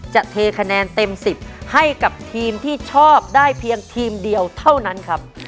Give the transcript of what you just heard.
เทคะแนนเต็ม๑๐ให้กับทีมที่ชอบได้เพียงทีมเดียวเท่านั้นครับ